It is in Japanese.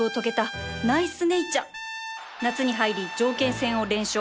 夏に入り条件戦を連勝